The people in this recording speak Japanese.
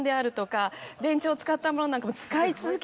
電池を使ったものなんかも。